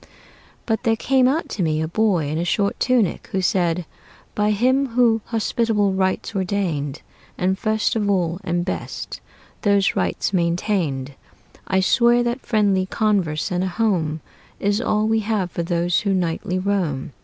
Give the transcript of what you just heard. "' "But there came out to me a boy in a short tunic, who said: "'By Him who hospitable rites ordained, And first of all, and best, those rites maintained, I swear that friendly converse and a home Is all we have for those who nightly roam."